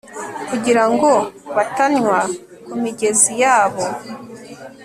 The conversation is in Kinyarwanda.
kugira ngo batanywa ku migezi yabo